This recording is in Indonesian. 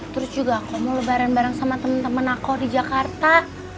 terus juga aku mau lebaran bareng sama temen temen aku di jakarta